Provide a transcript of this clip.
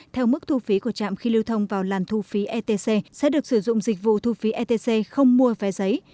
theo mức thu phí của trạm khi lưu thông vào làn thu phí etc sẽ được sử dụng dịch vụ thu phí etc không mua vé giấy